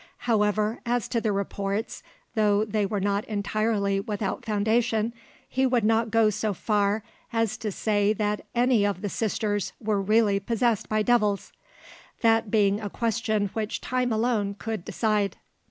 However, as to the reports, though they were not entirely without foundation, he would not go so far as to say that any of the sisters were really possessed by devils, that being a question which time alone could decide.